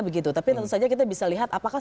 begitu tapi tentu saja kita bisa lihat apakah